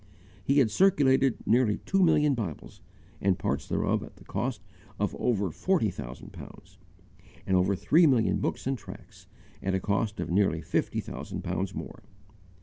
He had circulated nearly two million Bibles and parts thereof at the cost of over forty thousand pounds; and over three million books and tracts, at a cost of nearly fifty thousand pounds more.